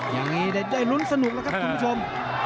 อย่างนี้ได้ลุ้นสนุกแล้วครับคุณผู้ชม